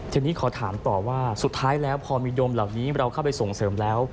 ทีนี้ขอถามต่อว่าสุดท้ายแล้วพอมีดมเหล่านี้เราเข้าไปส่งเสริมแล้ว